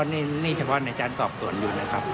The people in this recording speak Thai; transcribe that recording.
นี่เฉพาะในการสอบสวนอยู่นะครับ